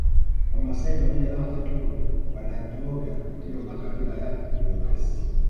Wamasai pamoja na Wataturu Wadatooga ndio makabila ya Nilotes